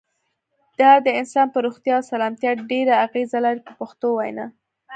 دا د انسان پر روغتیا او سلامتیا ډېره اغیزه لري په پښتو وینا.